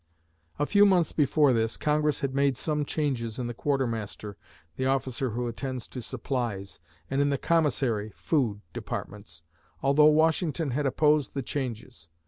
A few months before this, Congress had made some changes in the quartermaster (the officer who attends to supplies) and in the commissary (food) departments, although Washington had opposed the changes.